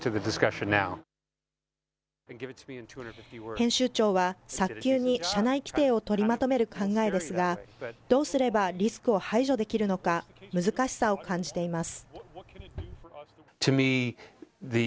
編集長は、早急に社内規定を取りまとめる考えですが、どうすればリスクを排除できるのか、難しさを感じています。